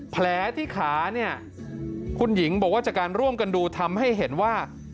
แผลที่ขาเนี่ยคุณหญิงบอกว่าจากการร่วมกันดูทำให้เห็นว่า